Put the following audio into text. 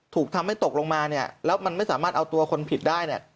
ถูกทำให้ตกลงมาแล้วมันไม่สามารถเอาตัวคนผิดได้